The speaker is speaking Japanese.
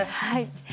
はい。